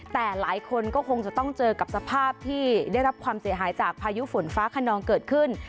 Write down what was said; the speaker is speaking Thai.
แต่หลายคนก็คงจะต้องเจอกับสภาพที่ได้รับความเสียหายจากพายุฝนฟ้าขนองเกิดขึ้น